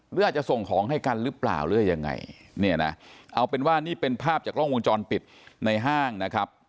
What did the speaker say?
หรืออาจจะส่งของให้กันหรือเปล่าหรือยังไงเนี่ยนะเอาเป็นว่านี่เป็นภาพจากกล้องวงจรปิดในห้างนะครับ